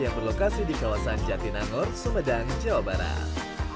yang berlokasi di kawasan jatinangor sumedang jawa barat